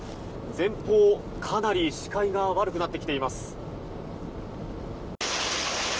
前方、かなり視界が悪くなってきています。